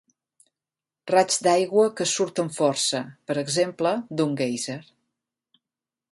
Raig d'aigua que surt amb força, per exemple d'un guèiser.